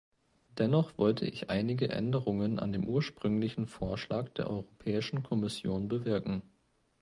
Dennoch wollte ich einige Änderungen an dem ursprünglichen Vorschlag der Europäischen Kommission bewirken.